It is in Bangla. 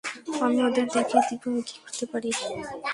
আমি ওদের দেখিয়ে দিব আমি কী করতে পারি।